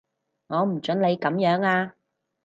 我唔準你噉樣啊